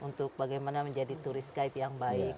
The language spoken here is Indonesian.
untuk bagaimana menjadi turist guide yang baik